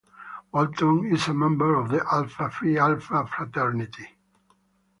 Walton is a member of Alpha Phi Alpha fraternity.